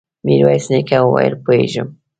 ميرويس نيکه وويل: پوهېږم.